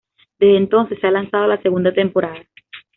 Desde entonces se ha lanzado la segunda temporada.